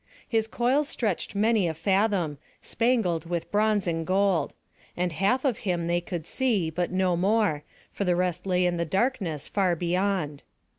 His coils stretched many a fathom, spangled with bronze and gold; and half of him they could see, but no more; for the rest lay in the darkness far beyond.